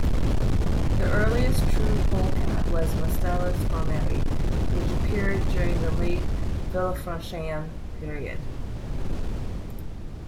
The earliest true polecat was "Mustela stromeri", which appeared during the late Villafranchian period.